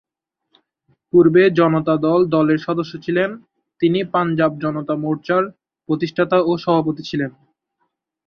পূর্বে জনতা দল দলের সদস্য ছিলেন, তিনি পাঞ্জাব জনতা মোর্চার প্রতিষ্ঠাতা ও সভাপতি ছিলেন।